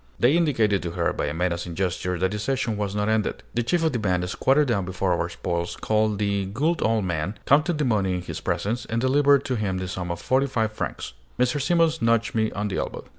They indicated to her, by a menacing gesture, that the session was not ended. The chief of the band squatted down before our spoils, called "the good old man," counted the money in his presence, and delivered to him the sum of forty five francs. Mrs. Simons nudged me on the elbow.